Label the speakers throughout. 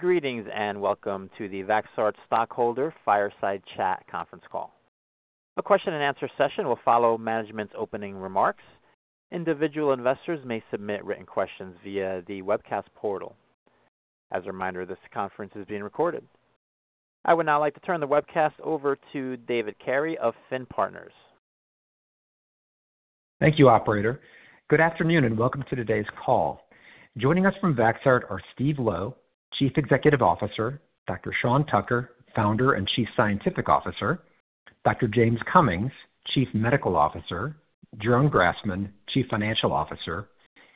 Speaker 1: Greetings and welcome to the Vaxart Stockholder Fireside Chat Conference Call. A question-and-answer session will follow management's opening remarks. Individual investors may submit written questions via the webcast portal. As a reminder, this conference is being recorded. I would now like to turn the webcast over to David Carey of Finn Partners.
Speaker 2: Thank you, operator. Good afternoon, and welcome to today's call. Joining us from Vaxart are Steven Lo, Chief Executive Officer, Dr. Sean Tucker, Founder and Chief Scientific Officer, Dr. James Cummings, Chief Medical Officer, Jeroen Grasman, Chief Financial Officer,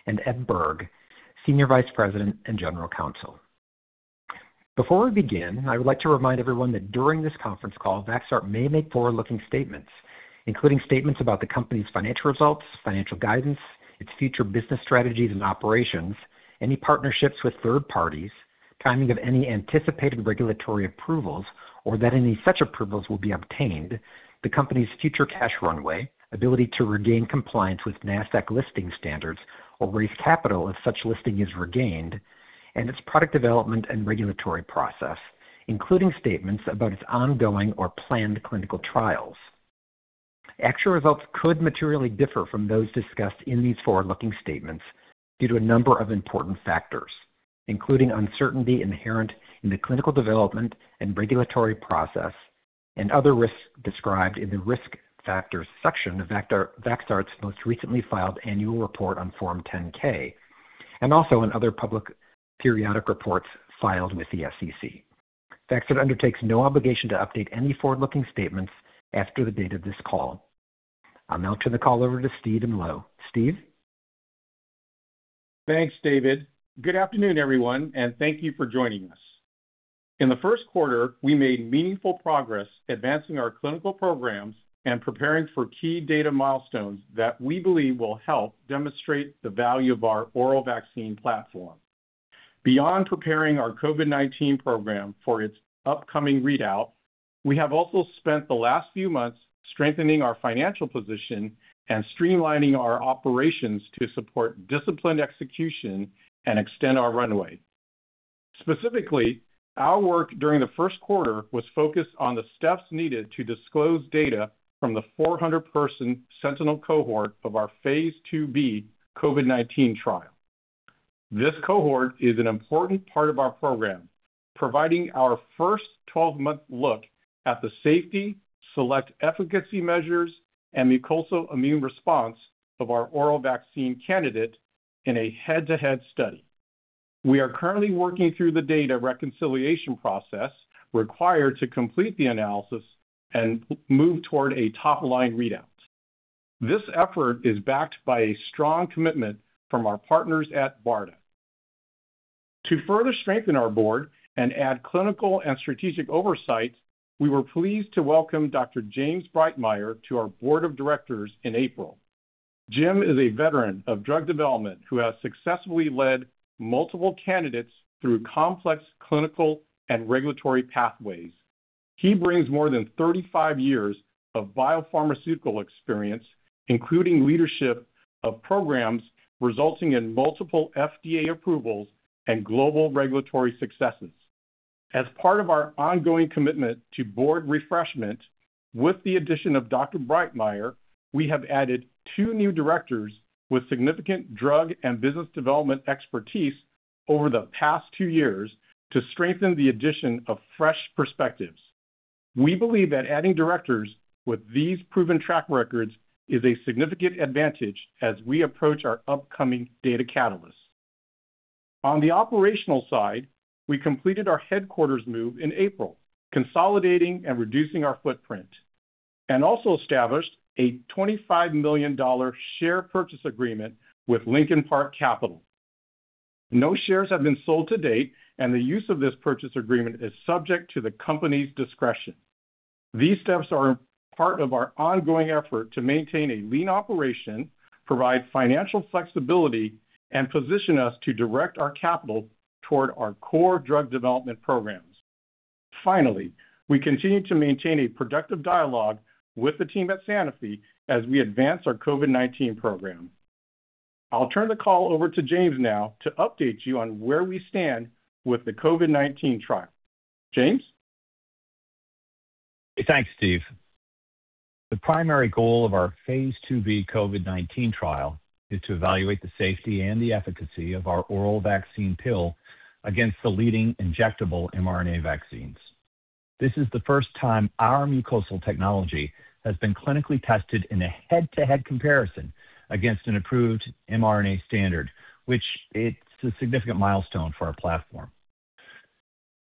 Speaker 2: and Ed Berg, Senior Vice President and General Counsel. Before we begin, I would like to remind everyone that during this conference call, Vaxart may make forward-looking statements, including statements about the company's financial results, financial guidance, its future business strategies and operations, any partnerships with third parties, timing of any anticipated regulatory approvals or that any such approvals will be obtained, the company's future cash runway, ability to regain compliance with Nasdaq listing standards or raise capital if such listing is regained, and its product development and regulatory process, including statements about its ongoing or planned clinical trials. Actual results could materially differ from those discussed in these forward-looking statements due to a number of important factors, including uncertainty inherent in the clinical development and regulatory process and other risks described in the Risk Factors section of Vaxart's most recently filed annual report on Form 10-K and also in other public periodic reports filed with the SEC. Vaxart undertakes no obligation to update any forward-looking statements after the date of this call. I'll now turn the call over to Steven Lo. Steve?
Speaker 3: Thanks, David. Good afternoon, everyone, and thank you for joining us. In the first quarter, we made meaningful progress advancing our clinical programs and preparing for key data milestones that we believe will help demonstrate the value of our oral vaccine platform. Beyond preparing our COVID-19 program for its upcoming readout, we have also spent the last few months strengthening our financial position and streamlining our operations to support disciplined execution and extend our runway. Specifically, our work during the first quarter was focused on the steps needed to disclose data from the 400-person Sentinel cohort of our phase II-B COVID-19 trial. This cohort is an important part of our program, providing our first 12-month look at the safety, select efficacy measures, and mucosal immune response of our oral vaccine candidate in a head-to-head study. We are currently working through the data reconciliation process required to complete the analysis and move toward a top-line readout. This effort is backed by a strong commitment from our partners at BARDA. To further strengthen our board and add clinical and strategic oversight, we were pleased to welcome Dr. James Breitmeyer to our board of directors in April. Jim is a veteran of drug development who has successfully led multiple candidates through complex clinical and regulatory pathways. He brings more than 35 years of biopharmaceutical experience, including leadership of programs resulting in multiple FDA approvals and global regulatory successes. As part of our ongoing commitment to board refreshment, with the addition of Dr. Breitmeyer, we have added two new directors with significant drug and business development expertise over the past two years to strengthen the addition of fresh perspectives. We believe that adding directors with these proven track records is a significant advantage as we approach our upcoming data catalysts. On the operational side, we completed our headquarters move in April, consolidating and reducing our footprint, also established a $25 million share purchase agreement with Lincoln Park Capital. No shares have been sold to date; the use of this purchase agreement is subject to the company's discretion. These steps are part of our ongoing effort to maintain a lean operation, provide financial flexibility, and position us to direct our capital toward our core drug development programs. We continue to maintain a productive dialogue with the team at Sanofi as we advance our COVID-19 program. I'll turn the call over to James now to update you on where we stand with the COVID-19 trial. James?
Speaker 4: Thanks, Steve. The primary goal of our phase II-B COVID-19 trial is to evaluate the safety and the efficacy of our oral vaccine pill against the leading injectable mRNA vaccines. This is the first time our mucosal technology has been clinically tested in a head-to-head comparison against an approved mRNA standard, which it's a significant milestone for our platform.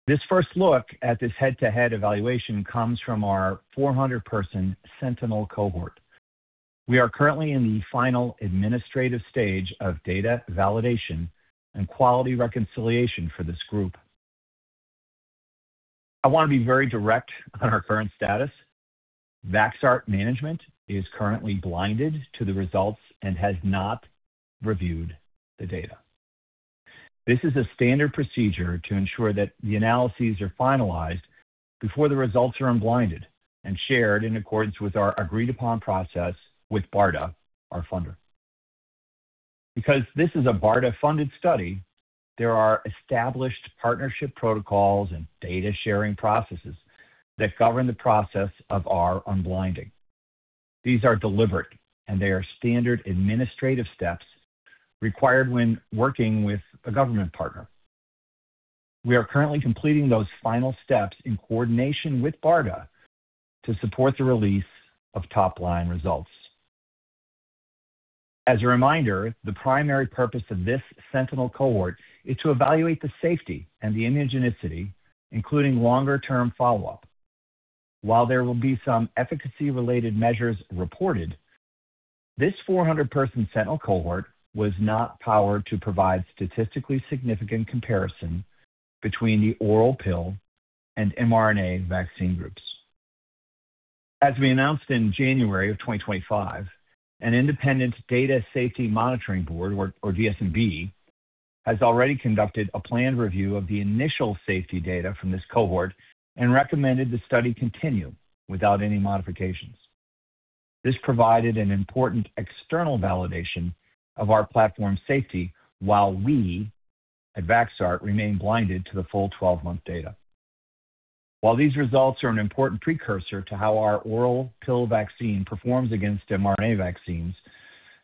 Speaker 4: This first look at this head-to-head evaluation comes from our 400-person sentinel cohort. We are currently in the final administrative stage of data validation and quality reconciliation for this group. I want to be very direct on our current status. Vaxart management is currently blinded to the results and has not reviewed the data. This is a standard procedure to ensure that the analyses are finalized before the results are unblinded and shared in accordance with our agreed-upon process with BARDA, our funder. Because this is a BARDA-funded study, there are established partnership protocols and data-sharing processes that govern the process of our unblinding. These are deliberate, and they are standard administrative steps required when working with a government partner. We are currently completing those final steps in coordination with BARDA to support the release of top-line results. As a reminder, the primary purpose of this Sentinel cohort is to evaluate the safety and the immunogenicity, including longer-term follow-up. While there will be some efficacy-related measures reported, this 400-person Sentinel cohort was not powered to provide statistically significant comparison between the oral pill and mRNA vaccine groups. As we announced in January of 2025, an independent Data Safety Monitoring Board, or DSMB, has already conducted a planned review of the initial safety data from this cohort and recommended the study continue without any modifications. This provided an important external validation of our platform safety while we at Vaxart remain blinded to the full 12-month data. While these results are an important precursor to how our oral pill vaccine performs against mRNA vaccines,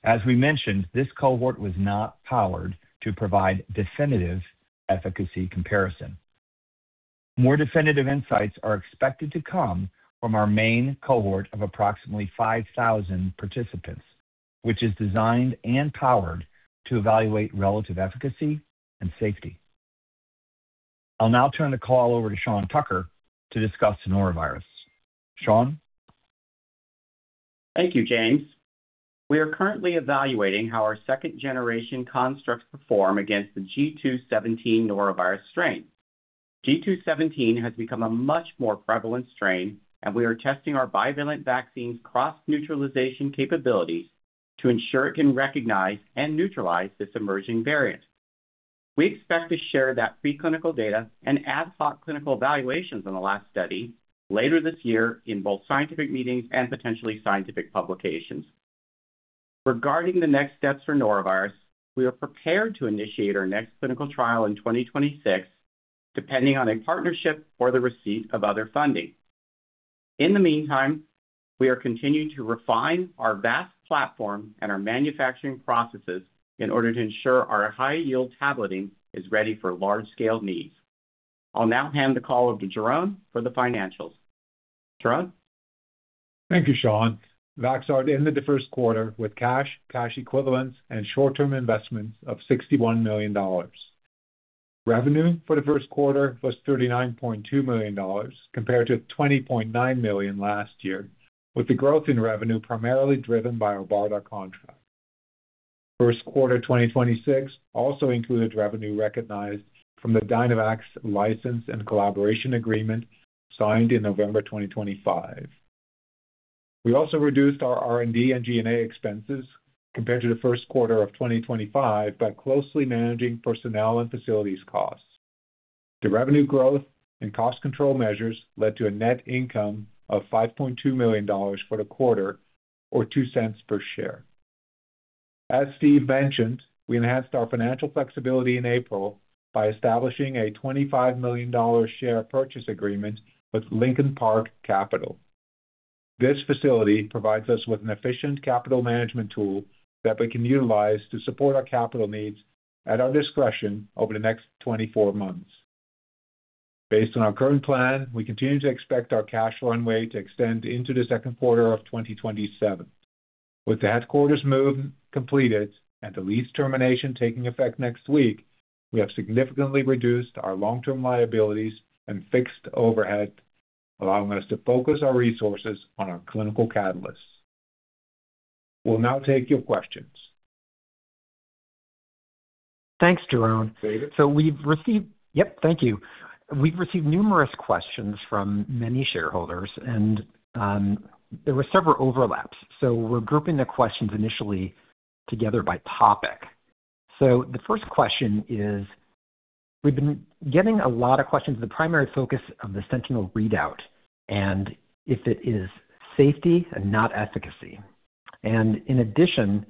Speaker 4: as we mentioned, this cohort was not powered to provide definitive efficacy comparison. More definitive insights are expected to come from our main cohort of approximately 5,000 participants, which is designed and powered to evaluate relative efficacy and safety. I'll now turn the call over to Sean Tucker to discuss norovirus. Sean?
Speaker 5: Thank you, James. We are currently evaluating how our second-generation constructs perform against the GII.17 norovirus strain. GII.17 has become a much more prevalent strain, and we are testing our bivalent vaccine's cross-neutralization capabilities to ensure it can recognize and neutralize this emerging variant. We expect to share that preclinical data and ad hoc clinical evaluations in the last study later this year in both scientific meetings and potentially scientific publications. Regarding the next steps for norovirus, we are prepared to initiate our next clinical trial in 2026, depending on a partnership or the receipt of other funding. In the meantime, we are continuing to refine our VAAST platform and our manufacturing processes in order to ensure our high-yield tableting is ready for large-scale needs. I'll now hand the call over to Jeroen for the financials. Jeroen?
Speaker 6: Thank you, Sean. Vaxart ended the first quarter with cash equivalents, and short-term investments of $61 million. Revenue for the first quarter was $39.2 million compared to $20.9 million last year, with the growth in revenue primarily driven by our BARDA contract. First quarter 2026 also included revenue recognized from the Dynavax license and collaboration agreement signed in November 2025. We also reduced our R&D and G&A expenses compared to the first quarter of 2025 by closely managing personnel and facilities costs. The revenue growth and cost control measures led to a net income of $5.2 million for the quarter, or $0.02 per share. As Steve mentioned, we enhanced our financial flexibility in April by establishing a $25 million share purchase agreement with Lincoln Park Capital. This facility provides us with an efficient capital management tool that we can utilize to support our capital needs at our discretion over the next 24 months. Based on our current plan, we continue to expect our cash runway to extend into the second quarter of 2027. With the headquarters move completed and the lease termination taking effect next week, we have significantly reduced our long-term liabilities and fixed overhead, allowing us to focus our resources on our clinical catalysts. We'll now take your questions.
Speaker 2: Thanks, Jeroen.
Speaker 6: David?
Speaker 2: Yep, thank you. We've received numerous questions from many shareholders; there were several overlaps. We're grouping the questions initially together by topic. The first question is we've been getting a lot of questions, the primary focus of the sentinel readout, and if it is safety and not efficacy. In addition,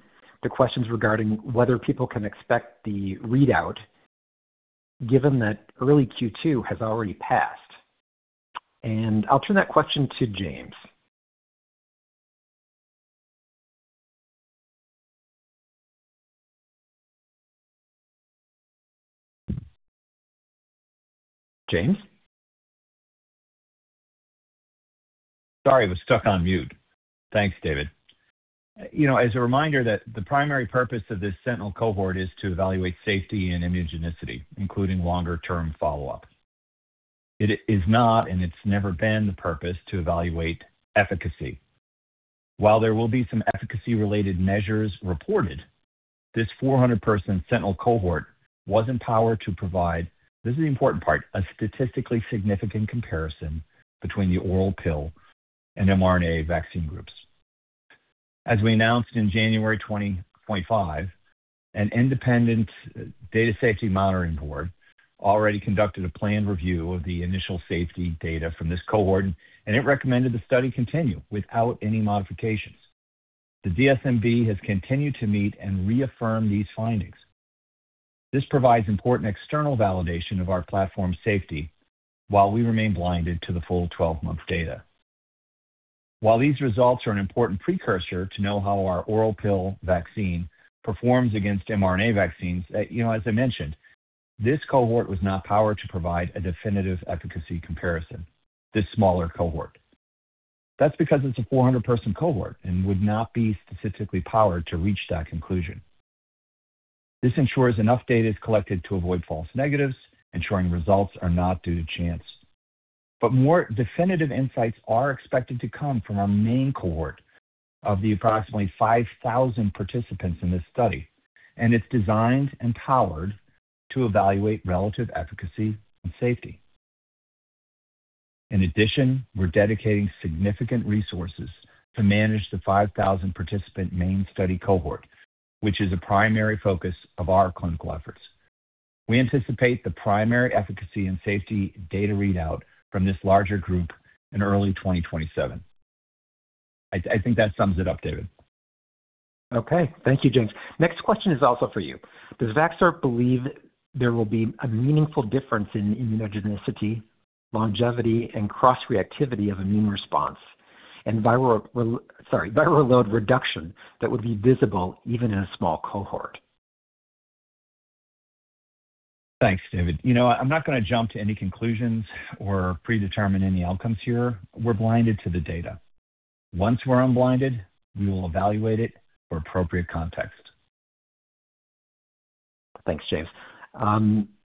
Speaker 2: the questions regarding whether people can expect the readout given that early Q2 has already passed. I'll turn that question to James. James?
Speaker 4: Sorry, I was stuck on mute. Thanks, David. You know, as a reminder that the primary purpose of this Sentinel cohort is to evaluate safety and immunogenicity, including longer-term follow-up. It is not, and it's never been the purpose to evaluate efficacy. While there will be some efficacy-related measures reported, this 400-person Sentinel cohort wasn't powered to provide, this is the important part, a statistically significant comparison between the oral pill and mRNA vaccine groups. As we announced in January 2025, an independent Data Safety Monitoring Board already conducted a planned review of the initial safety data from this cohort, and it recommended the study continue without any modifications. The DSMB has continued to meet and reaffirm these findings. This provides important external validation of our platform safety while we remain blinded to the full 12-month data. While these results are an important precursor to know how our oral pill vaccine performs against mRNA vaccines, you know, as I mentioned, this cohort was not powered to provide a definitive efficacy comparison, this smaller cohort. That's because it's a 400-person cohort and would not be specifically powered to reach that conclusion. This ensures enough data is collected to avoid false negatives, ensuring results are not due to chance. More definitive insights are expected to come from our main cohort of the approximately 5,000 participants in this study, and it's designed and powered to evaluate relative efficacy and safety. In addition, we're dedicating significant resources to manage the 5,000 participant main study cohort, which is a primary focus of our clinical efforts. We anticipate the primary efficacy and safety data readout from this larger group in early 2027. I think that sums it up, David.
Speaker 2: Okay. Thank you, James. Next question is also for you. Does Vaxart believe there will be a meaningful difference in immunogenicity, longevity, and cross-reactivity of immune response and viral load reduction that would be visible even in a small cohort?
Speaker 4: Thanks, David. You know, I'm not gonna jump to any conclusions or predetermine any outcomes here. We're blinded to the data. Once we're unblinded, we will evaluate it for appropriate context.
Speaker 2: Thanks, James.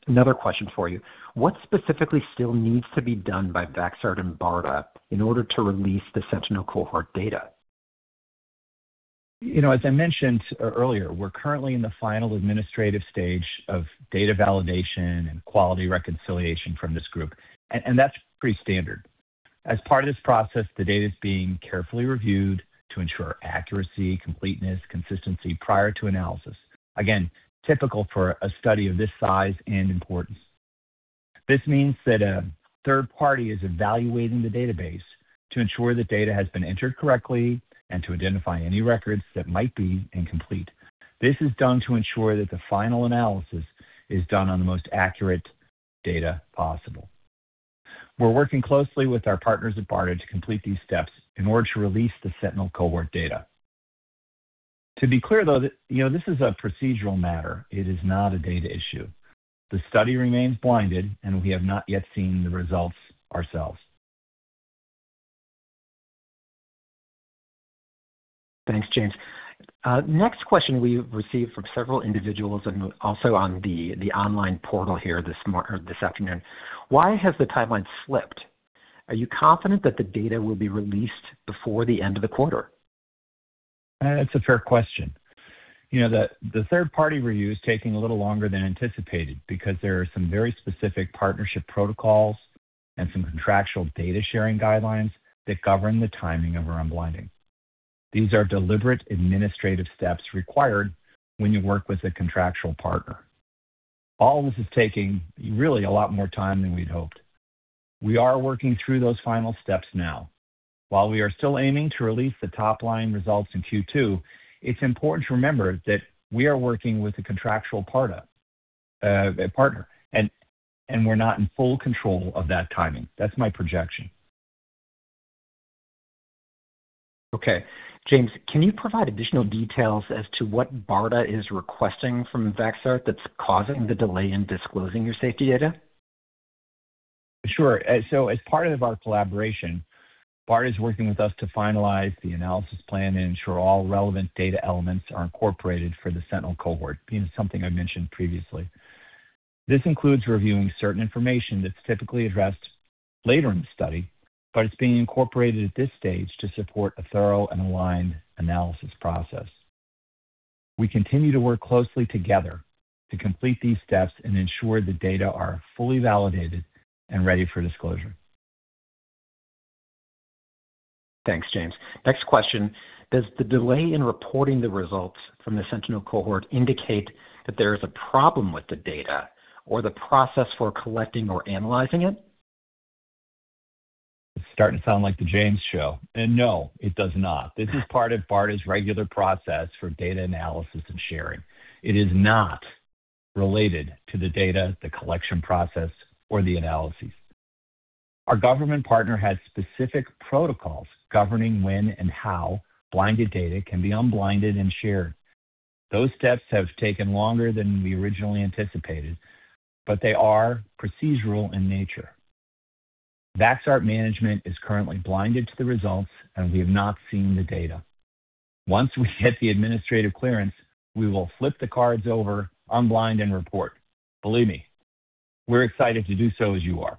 Speaker 2: Another question for you. What specifically still needs to be done by Vaxart and BARDA in order to release the sentinel cohort data?
Speaker 4: You know, as I mentioned earlier, we're currently in the final administrative stage of data validation and quality reconciliation from this group, and that's pretty standard. As part of this process, the data is being carefully reviewed to ensure accuracy, completeness, consistency prior to analysis. Again, typical for a study of this size and importance. This means that a third party is evaluating the database to ensure the data has been entered correctly and to identify any records that might be incomplete. This is done to ensure that the final analysis is done on the most accurate data possible. We're working closely with our partners at BARDA to complete these steps in order to release the sentinel cohort data. To be clear, though, you know, this is a procedural matter. It is not a data issue. The study remains blinded, and we have not yet seen the results ourselves.
Speaker 2: Thanks, James. Next question we've received from several individuals and also on the online portal here this afternoon. Why has the timeline slipped? Are you confident that the data will be released before the end of the quarter?
Speaker 4: That's a fair question. You know, the third-party review is taking a little longer than anticipated because there are some very specific partnership protocols and some contractual data-sharing guidelines that govern the timing of our unblinding. These are deliberate administrative steps required when you work with a contractual partner. All this is taking really a lot more time than we'd hoped. We are working through those final steps now. While we are still aiming to release the top-line results in Q2, it's important to remember that we are working with a contractual partner, and we're not in full control of that timing. That's my projection.
Speaker 2: Okay. James, can you provide additional details as to what BARDA is requesting from Vaxart that's causing the delay in disclosing your safety data?
Speaker 4: Sure. As part of our collaboration, BARDA is working with us to finalize the analysis plan and ensure all relevant data elements are incorporated for the Sentinel cohort, you know, something I mentioned previously. This includes reviewing certain information that's typically addressed later in the study, but it's being incorporated at this stage to support a thorough and aligned analysis process. We continue to work closely together to complete these steps and ensure the data are fully validated and ready for disclosure.
Speaker 2: Thanks, James. Next question. Does the delay in reporting the results from the sentinel cohort indicate that there is a problem with the data or the process for collecting or analyzing it?
Speaker 4: It's starting to sound like the James show. No, it does not. This is part of BARDA's regular process for data analysis and sharing. It is not related to the data, the collection process, or the analyses. Our government partner has specific protocols governing when and how blinded data can be unblinded and shared. Those steps have taken longer than we originally anticipated, but they are procedural in nature. Vaxart management is currently blinded to the results, and we have not seen the data. Once we get the administrative clearance, we will flip the cards over, unblind, and report. Believe me, we're excited to do so as you are.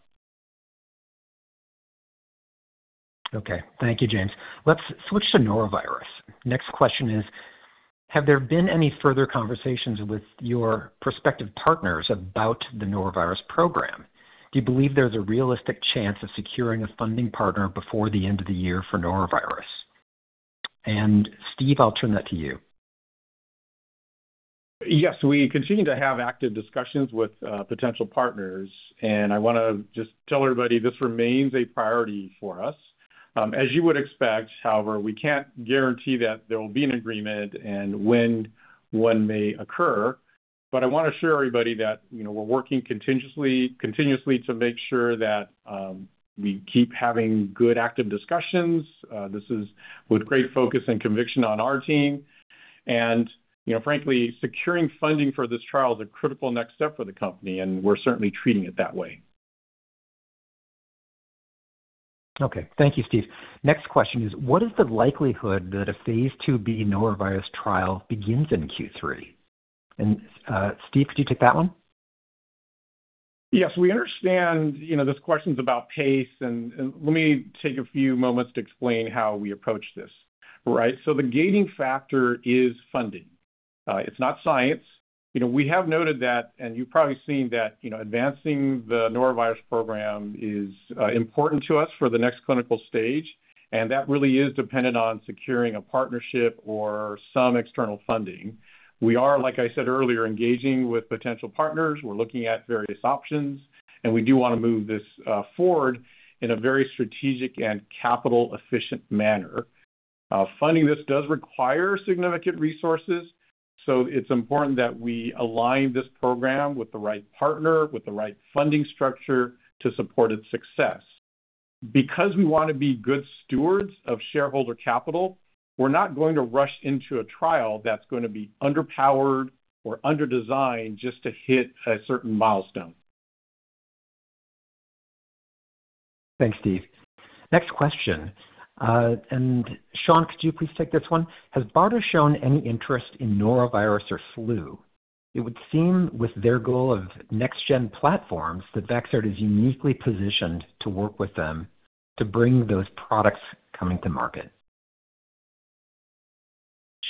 Speaker 2: Okay. Thank you, James. Let's switch to norovirus. Next question is, have there been any further conversations with your prospective partners about the norovirus program? Do you believe there's a realistic chance of securing a funding partner before the end of the year for norovirus? Steve, I'll turn that to you.
Speaker 3: Yes, we continue to have active discussions with potential partners, and I wanna just tell everybody this remains a priority for us. As you would expect, however, we can't guarantee that there will be an agreement and when one may occur. I wanna assure everybody that, you know, we're working continuously to make sure that we keep having good active discussions. This is with great focus and conviction on our team. You know, frankly, securing funding for this trial is a critical next step for the company, and we're certainly treating it that way.
Speaker 2: Okay. Thank you, Steve. Next question is, what is the likelihood that a phase II-B norovirus trial begins in Q3? Steve, could you take that one?
Speaker 3: Yes. We understand, you know, this question's about pace and let me take a few moments to explain how we approach this, right. The gating factor is funding. It's not science. You know, we have noted that, and you've probably seen that, you know, advancing the norovirus program is important to us for the next clinical stage. That really is dependent on securing a partnership or some external funding. We are, like I said earlier, engaging with potential partners. We're looking at various options, and we do wanna move this forward in a very strategic and capital efficient manner. Funding this does require significant resources, so, it's important that we align this program with the right partner, with the right funding structure to support its success. Because we wanna be good stewards of shareholder capital, we're not going to rush into a trial that's gonna be underpowered or underdesigned just to hit a certain milestone.
Speaker 2: Thanks, Steve. Next question. Sean, could you please take this one? Has BARDA shown any interest in norovirus or flu? It would seem with their goal of next gen platforms that Vaxart is uniquely positioned to work with them to bring those products coming to market.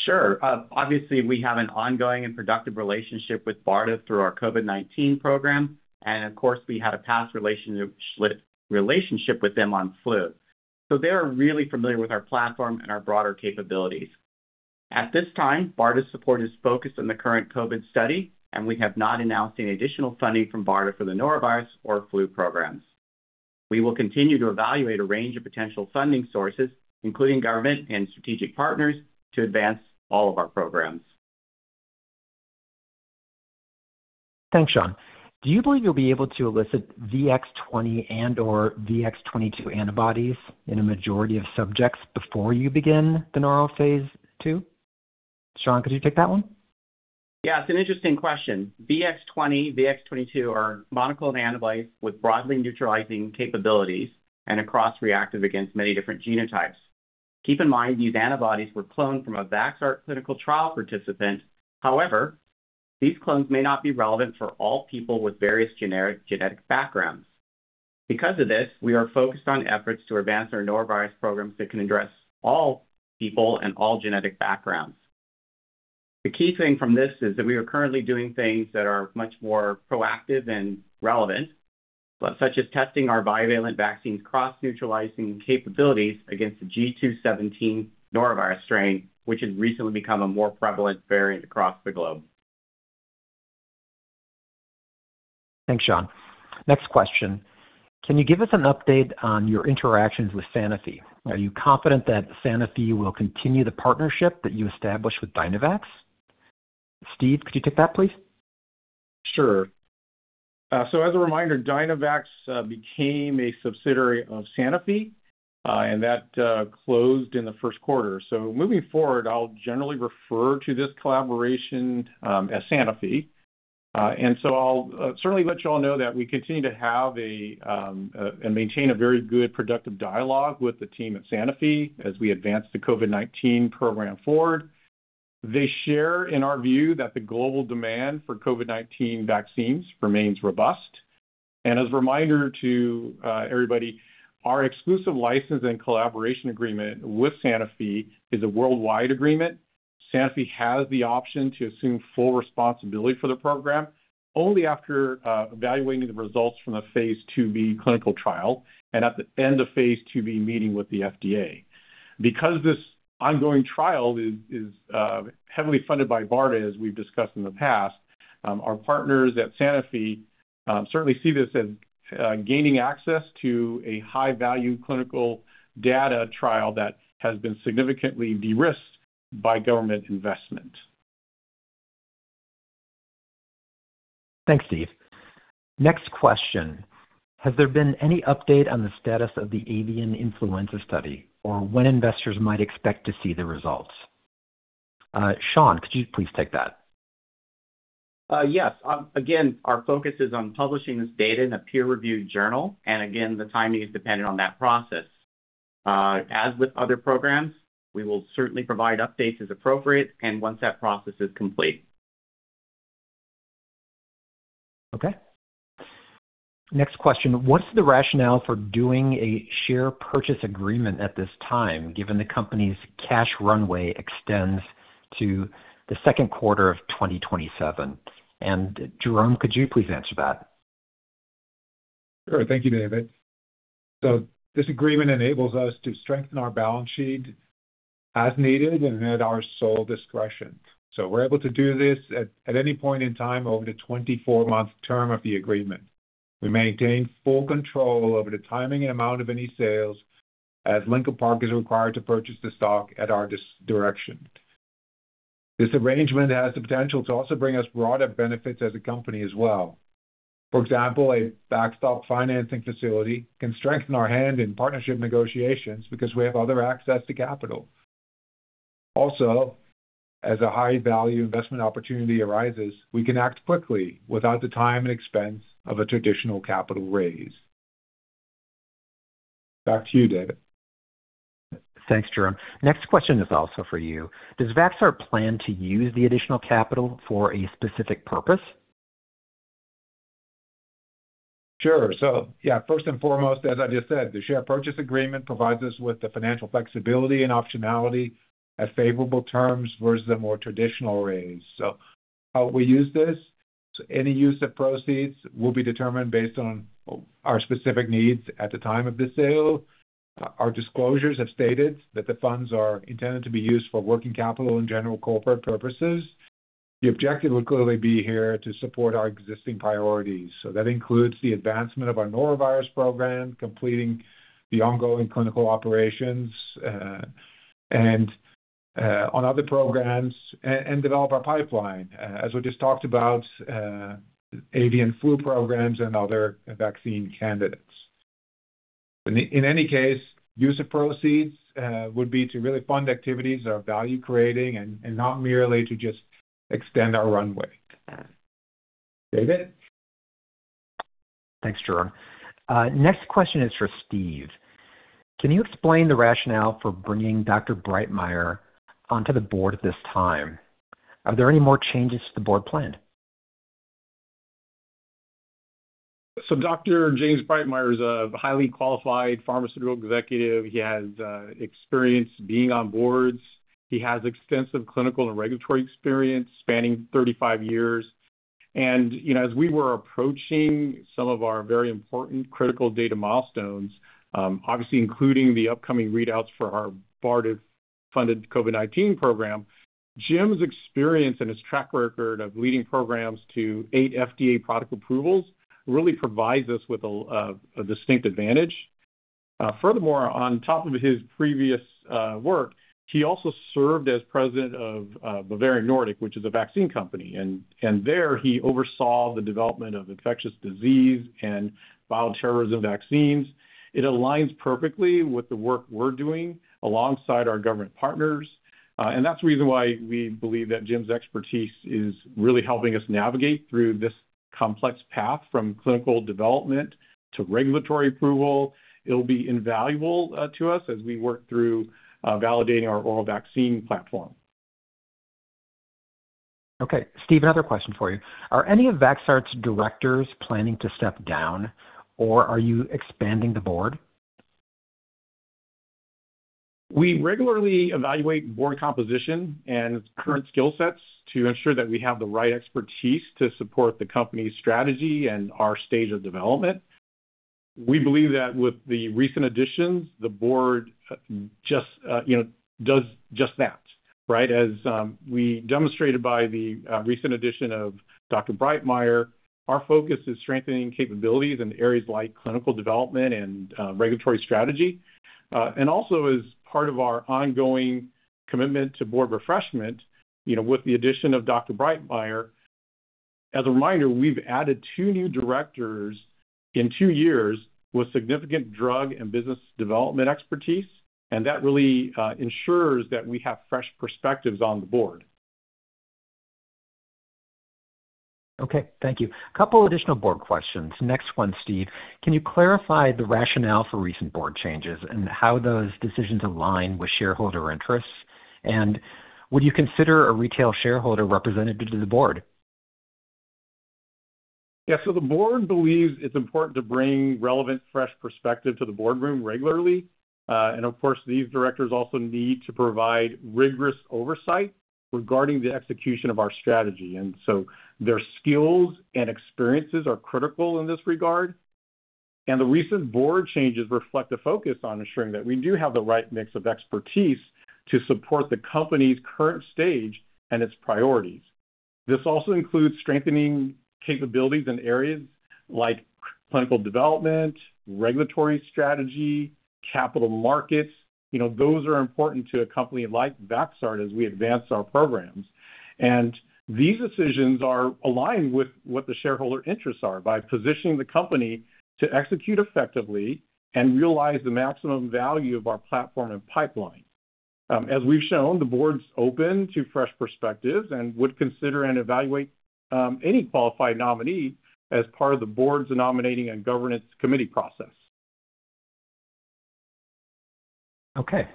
Speaker 5: Sure. Obviously, we have an ongoing and productive relationship with BARDA through our COVID-19 program, and of course, we had a past relationship with them on flu. They are really familiar with our platform and our broader capabilities. At this time, BARDA's support is focused on the current COVID study, and we have not announced any additional funding from BARDA for the norovirus or flu programs. We will continue to evaluate a range of potential funding sources, including government and strategic partners, to advance all of our programs.
Speaker 2: Thanks, Sean. Do you believe you'll be able to elicit VX-20 and or VX-22 antibodies in a majority of subjects before you begin the phase II? Sean, could you take that one?
Speaker 5: Yeah. It's an interesting question. VX-20, VX-22 are monoclonal antibodies with broadly neutralizing capabilities and are cross-reactive against many different genotypes. Keep in mind, these antibodies were cloned from a Vaxart clinical trial participant. However, these clones may not be relevant for all people with various genetic backgrounds. Because of this, we are focused on efforts to advance our norovirus programs that can address all people and all genetic backgrounds. The key thing from this is that we are currently doing things that are much more proactive and relevant, but such as testing our bivalent vaccines cross-neutralizing capabilities against the GII.17 norovirus strain, which has recently become a more prevalent variant across the globe.
Speaker 2: Thanks, Sean. Next question. Can you give us an update on your interactions with Sanofi? Are you confident that Sanofi will continue the partnership that you established with Dynavax? Steve, could you take that please?
Speaker 3: Sure. As a reminder, Dynavax became a subsidiary of Sanofi, and that closed in the first quarter. Moving forward, I'll generally refer to this collaboration as Sanofi. I'll certainly let you all know that we continue to have and maintain a very good productive dialogue with the team at Sanofi as we advance the COVID-19 program forward. They share in our view that the global demand for COVID-19 vaccines remains robust. As a reminder to everybody, our exclusive license and collaboration agreement with Sanofi is a worldwide agreement. Sanofi has the option to assume full responsibility for the program only after evaluating the results from a phase II-B clinical trial and at the end of phase II-B meeting with the FDA. Because this ongoing trial is heavily funded by BARDA, as we've discussed in the past, our partners at Sanofi certainly see this as gaining access to a high-value clinical data trial that has been significantly de-risked by government investment.
Speaker 2: Thanks, Steve. Next question. Has there been any update on the status of the avian influenza study, or when investors might expect to see the results? Sean, could you please take that?
Speaker 5: Yes. Again, our focus is on publishing this data in a peer-reviewed journal, and again, the timing is dependent on that process. As with other programs, we will certainly provide updates as appropriate and once that process is complete.
Speaker 2: Okay. Next question. What's the rationale for doing a share purchase agreement at this time, given the company's cash runway extends to the second quarter of 2027? Jeroen, could you please answer that?
Speaker 6: Sure. Thank you, David. This agreement enables us to strengthen our balance sheet As needed and at our sole discretion. We're able to do this at any point in time over the 24-month term of the agreement. We maintain full control over the timing and amount of any sales, as Lincoln Park is required to purchase the stock at our direction. This arrangement has the potential to also bring us broader benefits as a company as well. For example, a backstop financing facility can strengthen our hand in partnership negotiations because we have other access to capital. Also, as a high-value investment opportunity arises, we can act quickly without the time and expense of a traditional capital raise. Back to you, David.
Speaker 2: Thanks, Jeroen. Next question is also for you. Does Vaxart plan to use the additional capital for a specific purpose?
Speaker 6: Sure. Yeah, first and foremost, as I just said, the share purchase agreement provides us with the financial flexibility and optionality at favorable terms versus a more traditional raise. Our disclosures have stated that the funds are intended to be used for working capital and general corporate purposes. The objective would clearly be here to support our existing priorities. That includes the advancement of our norovirus program, completing the ongoing clinical operations, and on other programs, and develop our pipeline, as we just talked about, avian flu programs and other vaccine candidates. In any case, use of proceeds would be to really fund activities that are value-creating and not merely to just extend our runway. David?
Speaker 2: Thanks, Jeroen. Next question is for Steve. Can you explain the rationale for bringing Dr. Breitmeyer onto the board at this time? Are there any more changes to the board planned?
Speaker 3: Dr. James Breitmeyer is a highly qualified pharmaceutical executive. He has experience being on boards. He has extensive clinical and regulatory experience spanning 35 years. You know, as we were approaching some of our very important critical data milestones, obviously including the upcoming readouts for our BARDA-funded COVID-19 program, Jim's experience and his track record of leading programs to eight FDA product approvals really provides us with a distinct advantage. Furthermore, on top of his previous work, he also served as president of Bavarian Nordic, which is a vaccine company, and there he oversaw the development of infectious disease and bioterrorism vaccines. It aligns perfectly with the work we're doing alongside our government partners. That's the reason why we believe that Jim's expertise is really helping us navigate through this complex path from clinical development to regulatory approval. It'll be invaluable to us as we work through validating our oral vaccine platform.
Speaker 2: Okay. Steve, another question for you. Are any of Vaxart's directors planning to step down, or are you expanding the board?
Speaker 3: We regularly evaluate board composition and current skill sets to ensure that we have the right expertise to support the company's strategy and our stage of development. We believe that with the recent additions, the board, you know, does just that, right? As we demonstrated by the recent addition of Dr. Breitmeyer, our focus is strengthening capabilities in areas like clinical development and regulatory strategy. Also, as part of our ongoing commitment to board refreshment, you know, with the addition of Dr. Breitmeyer, as a reminder, we've added two new directors in two years with significant drug and business development expertise, and that really ensures that we have fresh perspectives on the board.
Speaker 2: Okay. Thank you. A couple additional board questions. Next one, Steve. Can you clarify the rationale for recent board changes and how those decisions align with shareholder interests? Would you consider a retail shareholder representative to the board?
Speaker 3: The board believes it's important to bring relevant fresh perspective to the boardroom regularly. Of course, these directors also need to provide rigorous oversight regarding the execution of our strategy. Their skills and experiences are critical in this regard. The recent board changes reflect a focus on ensuring that we do have the right mix of expertise to support the company's current stage and its priorities. This also includes strengthening capabilities in areas like clinical development, regulatory strategy, capital markets. You know, those are important to a company like Vaxart as we advance our programs. These decisions are aligned with what the shareholder interests are by positioning the company to execute effectively and realize the maximum value of our platform and pipeline. As we've shown, the board's open to fresh perspectives and would consider and evaluate any qualified nominee as part of the board's nominating and governance committee process.
Speaker 2: Okay.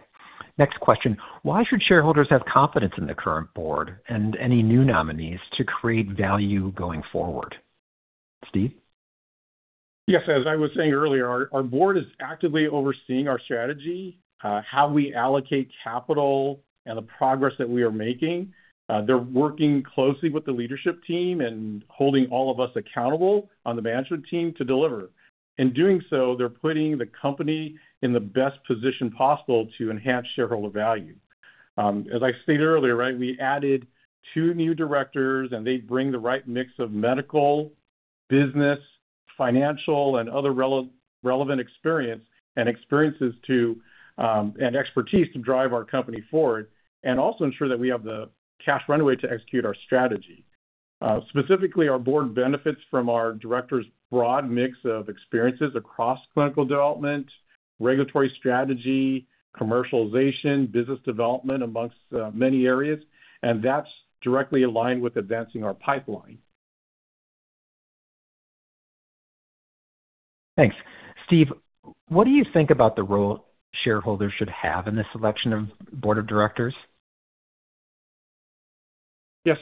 Speaker 2: Next question. Why should shareholders have confidence in the current board and any new nominees to create value going forward? Steve?
Speaker 3: Yes. As I was saying earlier, our board is actively overseeing our strategy, how we allocate capital and the progress that we are making. They're working closely with the leadership team and holding all of us accountable on the management team to deliver. In doing so, they're putting the company in the best position possible to enhance shareholder value. As I stated earlier, right, we added two new directors, and they bring the right mix of medical, business, financial, and other relevant experience and experiences to and expertise to drive our company forward and also ensure that we have the cash runway to execute our strategy. Specifically, our board benefits from our directors' broad mix of experiences across clinical development, regulatory strategy, commercialization, business development, amongst many areas, and that's directly aligned with advancing our pipeline.
Speaker 2: Thanks. Steve, what do you think about the role shareholders should have in the selection of board of directors?
Speaker 3: Yeah.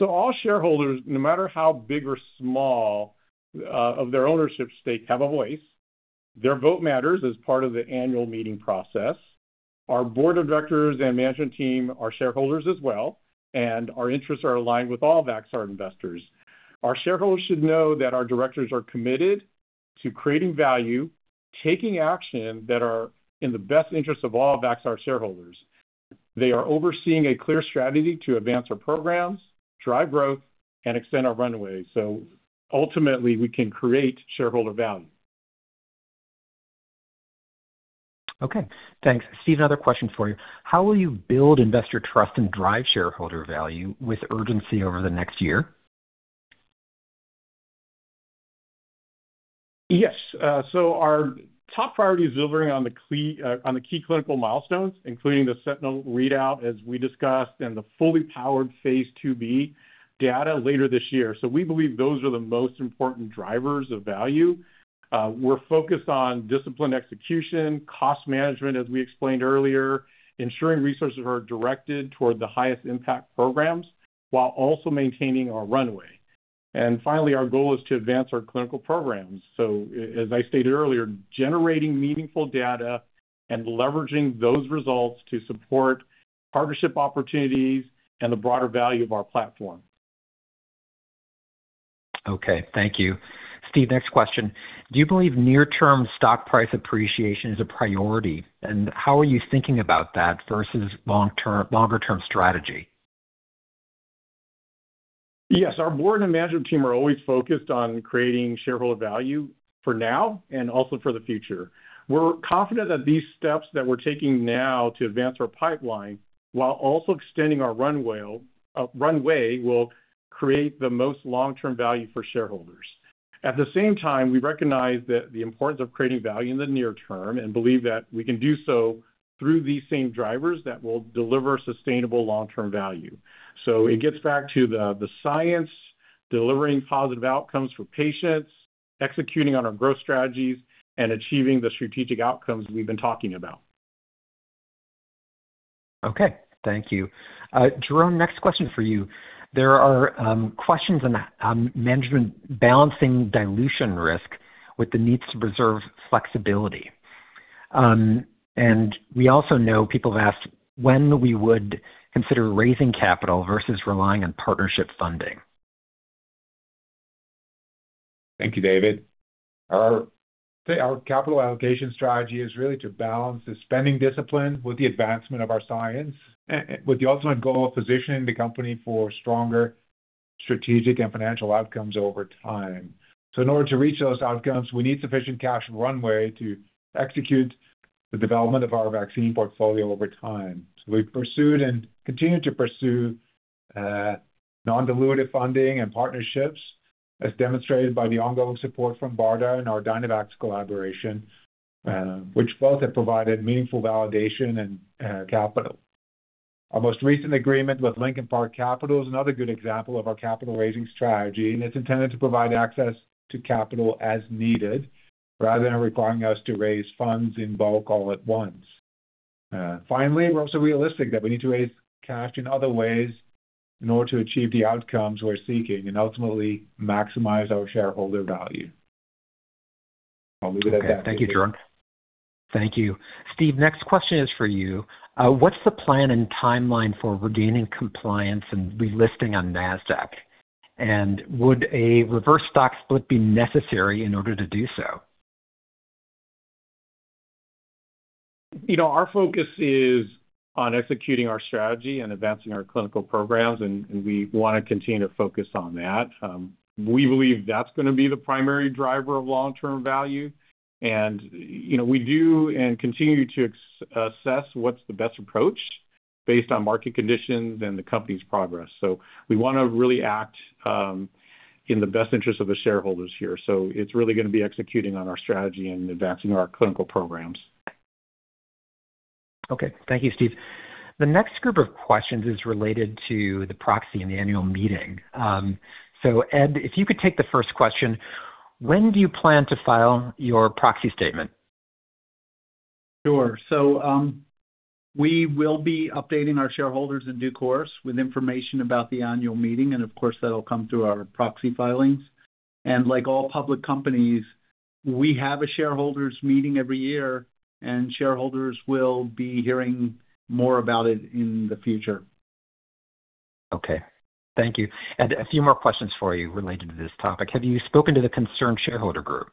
Speaker 3: All shareholders, no matter how big or small, of their ownership stake, have a voice. Their vote matters as part of the annual meeting process. Our board of directors and management team are shareholders as well, and our interests are aligned with all Vaxart investors. Our shareholders should know that our directors are committed to creating value, taking action that are in the best interest of all Vaxart shareholders. They are overseeing a clear strategy to advance our programs, drive growth, and extend our runway, so ultimately, we can create shareholder value.
Speaker 2: Okay. Thanks. Steve, another question for you. How will you build investor trust and drive shareholder value with urgency over the next year?
Speaker 3: Yes. Our top priority is delivering on the key clinical milestones, including the Sentinel readout, as we discussed, and the fully powered phase II-B data later this year. We believe those are the most important drivers of value. We're focused on disciplined execution, cost management, as we explained earlier, ensuring resources are directed toward the highest impact programs while also maintaining our runway. Finally, our goal is to advance our clinical programs. As I stated earlier, generating meaningful data and leveraging those results to support partnership opportunities and the broader value of our platform.
Speaker 2: Okay. Thank you. Steve, next question. Do you believe near-term stock price appreciation is a priority? How are you thinking about that versus long-term, longer-term strategy?
Speaker 3: Yes, our board and management team are always focused on creating shareholder value for now and also for the future. We're confident that these steps that we're taking now to advance our pipeline while also extending our runway will create the most long-term value for shareholders. At the same time, we recognize that the importance of creating value in the near term and believe that we can do so through these same drivers that will deliver sustainable long-term value. It gets back to the science, delivering positive outcomes for patients, executing on our growth strategies, and achieving the strategic outcomes we've been talking about.
Speaker 2: Okay. Thank you. Jeroen, next question for you. There are questions on management balancing dilution risk with the needs to reserve flexibility. We also know people have asked when we would consider raising capital versus relying on partnership funding.
Speaker 6: Thank you, David. I'd say our capital allocation strategy is really to balance the spending discipline with the advancement of our science and with the ultimate goal of positioning the company for stronger strategic and financial outcomes over time. In order to reach those outcomes, we need sufficient cash runway to execute the development of our vaccine portfolio over time. We've pursued and continue to pursue non-dilutive funding and partnerships, as demonstrated by the ongoing support from BARDA and our Dynavax collaboration, which both have provided meaningful validation and capital. Our most recent agreement with Lincoln Park Capital is another good example of our capital-raising strategy, and it's intended to provide access to capital as needed rather than requiring us to raise funds in bulk all at once. Finally, we're also realistic that we need to raise cash in other ways in order to achieve the outcomes we're seeking and ultimately maximize our shareholder value.
Speaker 2: Okay. Thank you, Jeroen. Thank you. Steve, next question is for you. What's the plan and timeline for regaining compliance and relisting on Nasdaq? Would a reverse stock split be necessary in order to do so?
Speaker 3: You know, our focus is on executing our strategy and advancing our clinical programs, and we want to continue to focus on that. We believe that's gonna be the primary driver of long-term value, and, you know, we do and continue to assess what's the best approach based on market conditions and the company's progress. We wanna really act in the best interest of the shareholders here. It's really gonna be executing on our strategy and advancing our clinical programs.
Speaker 2: Okay. Thank you, Steve. The next group of questions is related to the proxy and the annual meeting. Ed, if you could take the first question. When do you plan to file your proxy statement?
Speaker 7: Sure. We will be updating our shareholders in due course with information about the annual meeting, and of course, that'll come through our proxy filings. Like all public companies, we have a shareholders meeting every year, and shareholders will be hearing more about it in the future.
Speaker 2: Okay. Thank you. Ed, a few more questions for you related to this topic. Have you spoken to the concerned shareholder group?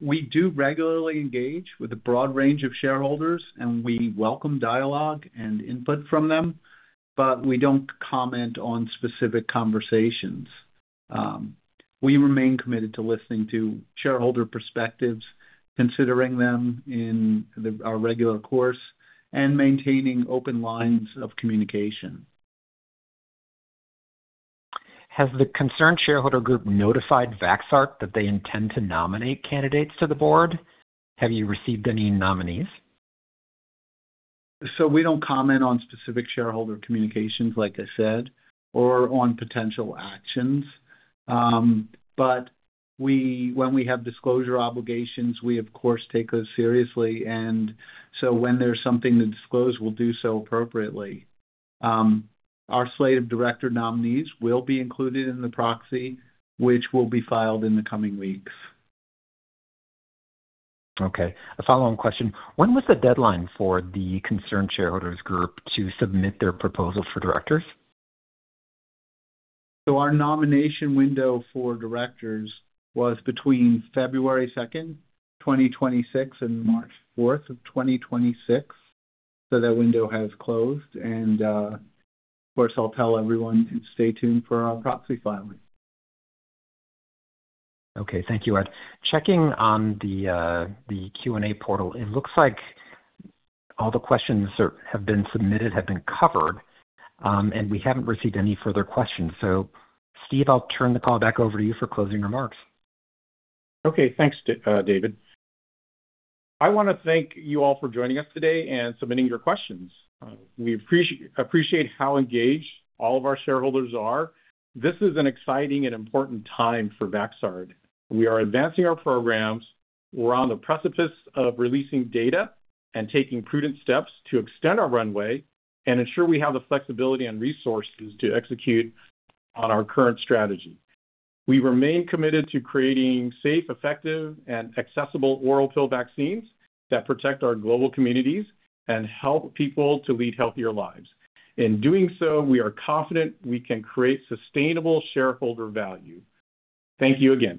Speaker 7: We do regularly engage with a broad range of shareholders, and we welcome dialogue and input from them, but we don't comment on specific conversations. We remain committed to listening to shareholder perspectives, considering them in our regular course, and maintaining open lines of communication.
Speaker 2: Has the concerned shareholder group notified Vaxart that they intend to nominate candidates to the board? Have you received any nominees?
Speaker 7: We don't comment on specific shareholder communications, like I said, or on potential actions. When we have disclosure obligations, we of course take those seriously. When there's something to disclose, we'll do so appropriately. Our slate of director nominees will be included in the proxy, which will be filed in the coming weeks.
Speaker 2: Okay, a follow-on question. When was the deadline for the concerned shareholders group to submit their proposal for directors?
Speaker 7: Our nomination window for directors was between February 2nd, 2026, and March 4th, 2026. That window has closed. Of course, I'll tell everyone to stay tuned for our proxy filing.
Speaker 2: Okay. Thank you, Ed. Checking on the Q&A portal, it looks like all the questions that have been submitted have been covered, and we haven't received any further questions. Steve, I'll turn the call back over to you for closing remarks.
Speaker 3: Okay. Thanks, David. I want to thank you all for joining us today and submitting your questions. We appreciate how engaged all of our shareholders are. This is an exciting and important time for Vaxart. We are advancing our programs. We're on the precipice of releasing data and taking prudent steps to extend our runway and ensure we have the flexibility and resources to execute on our current strategy. We remain committed to creating safe, effective, and accessible oral pill vaccines that protect our global communities and help people to lead healthier lives. In doing so, we are confident we can create sustainable shareholder value. Thank you again.